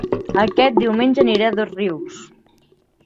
Aquest diumenge aniré a Dosrius